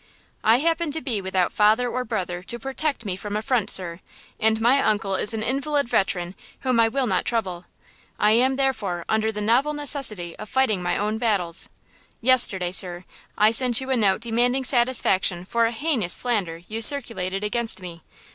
"I happen to be without father or brother to protect me from affront, sir, and my uncle is an invalid veteran whom I will not trouble! I am, therefore, under the novel necessity of fighting my own battles! Yesterday, sir, I sent you a note demanding satisfaction for a heinous slander you circulated against me!